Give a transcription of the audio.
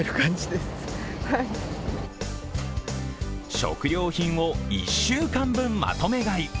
食料品を１週間分まとめ買い。